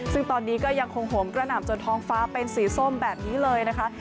ซึ่งตอนนี้ก็ยังคงโหมกระหน่ำจนท้องฟ้าเป็นสีส้มแบบนี้เลยนะคะ